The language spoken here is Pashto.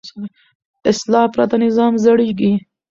اصلاح پرته نظام زړېږي